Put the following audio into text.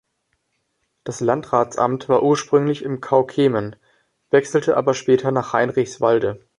Das Landratsamt war ursprünglich in Kaukehmen, wechselte aber später nach Heinrichswalde.